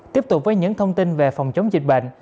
tiếp tục với những thông tin về phòng chống dịch bệnh